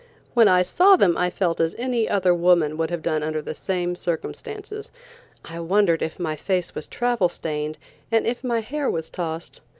When I saw them I felt as any other woman would have done under the same circumstances. I wondered if my face was travel stained, and if my hair was tossed.